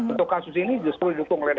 untuk kasus ini justru didukung oleh